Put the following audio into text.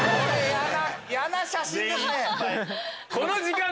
やな写真ですね！